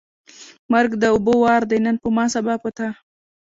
مرګ د اوبو وار دی نن په ما ، سبا په تا.